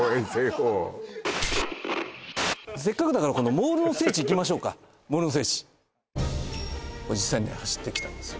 せっかくだからモールの聖地いきましょうかこれ実際に走ってきたんですよ